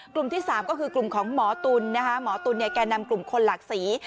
กลุ่มที่๓ก็คือกลุ่มของหมอตุ๋นนะคะหมอตุ๋นแก่นำกลุ่มคนหลากสี